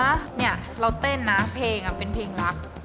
เนี่ยเราเต้นนะเพลงเป็นเพลงรัก